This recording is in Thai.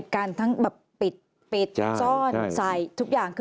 การทั้งปิดปิดซ่อนใส่ทุกอย่าง